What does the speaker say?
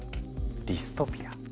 ディストピア？